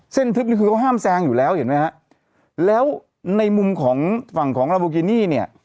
ทึบนี่คือเขาห้ามแซงอยู่แล้วเห็นไหมฮะแล้วในมุมของฝั่งของลาโบกินี่เนี่ย